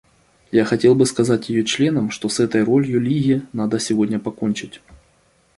Я хотел бы сказать ее членам, что с этой ролью Лиги надо сегодня покончить.